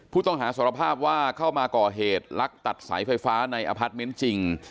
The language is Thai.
ผู้ต้องหาสารภาพว่าเข้ามาก่อเหตุลักตัดสายไฟฟ้าในอพาร์ทเมนต์จริง